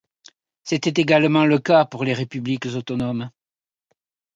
C’était également le cas pour les républiques autonomes.